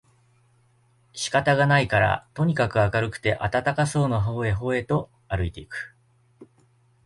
仕方がないからとにかく明るくて暖かそうな方へ方へとあるいて行く